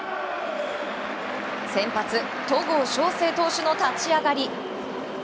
先発、戸郷翔征投手の立ち上がり。